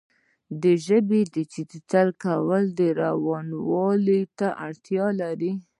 د ژبې ډیجیټل کول روانوالي ته اړتیا لري.